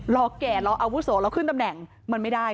แก่รออาวุโสเราขึ้นตำแหน่งมันไม่ได้